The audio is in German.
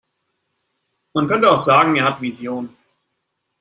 Man könnte auch sagen, er hat Visionen.